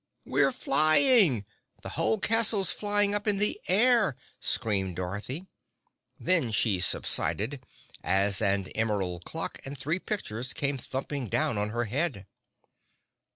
"We're flying! The whole castle's flying up in the air!" screamed Dorothy. Then she subsided, as an emerald clock and three pictures came thumping down on her head.